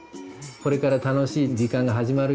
「これから楽しい時間が始まるよ」